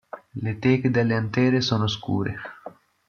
Le teche delle antere sono scure.